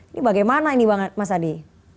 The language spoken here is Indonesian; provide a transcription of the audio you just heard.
ini bagaimana ini mas adi